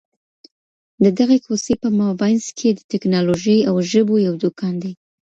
د دغي کوڅې په مابينځ کي د ټکنالوژۍ او ژبو یو دکان دی.